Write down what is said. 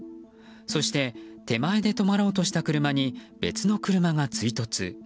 そして手前で止まろうとした車に別の車が追突。